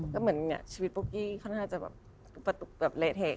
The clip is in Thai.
ก็เหมือนชีวิตปุ๊กกี้ค่อนข้างจะแบบเละเทค